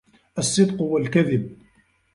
الصِّدْقُ وَالْكَذِبُ